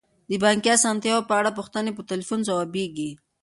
د بانکي اسانتیاوو په اړه پوښتنې په تلیفون ځوابیږي.